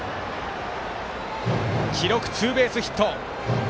記録、ツーベースヒット。